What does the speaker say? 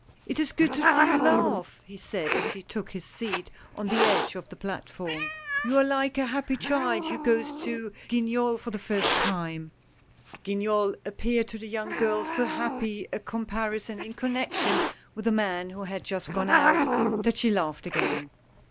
" It is good to see you laugh," he said as he took his seat on the edge of the platform. " You are like a happy child who goes to Guignol for the first time !" 150 A NEW ASPIRANT. Guignol appeared to the young girl so happy a com parison in connection with the man who had just gone out that she laughed again.